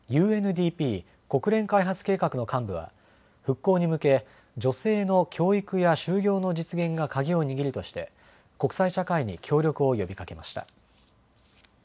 ＵＮＤＰ・国連開発計画の幹部は復興に向け女性の教育や就業の実現が鍵を握るとして国際社会に協力を呼びかけました。